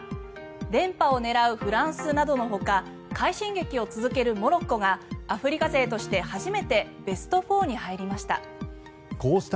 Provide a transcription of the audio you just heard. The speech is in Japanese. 連覇を狙うフランスなどのほか快進撃を続けるモロッコがアフリカ勢として初めてベスト４に入りました。